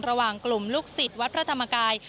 ระหว่างกลุ่มลูกศิษย์วัดพระธรรมกาย